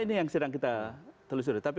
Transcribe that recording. ini yang sedang kita telusuri tapi